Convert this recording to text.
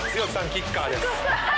キッカーです。